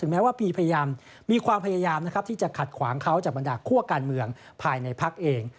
แม้ว่าพีพยายามมีความพยายามนะครับที่จะขัดขวางเขาจากบรรดาคั่วการเมืองภายในพักเอง